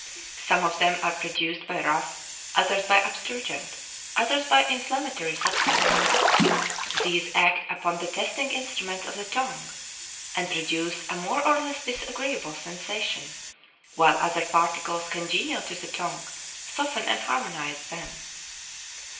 Some of them are produced by rough, others by abstergent, others by inflammatory substances,—these act upon the testing instruments of the tongue, and produce a more or less disagreeable sensation, while other particles congenial to the tongue soften and harmonize them.